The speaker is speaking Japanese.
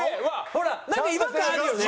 ほらなんか違和感あるよね？